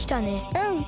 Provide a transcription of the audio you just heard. うん。